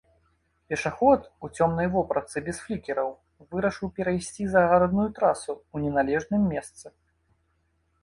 Пешаход у цёмнай вопратцы без флікераў вырашыў перайсці загарадную трасу ў неналежным месцы.